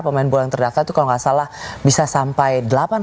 pemain bola yang terdaftar itu kalau nggak salah bisa sampai